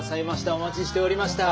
お待ちしておりました。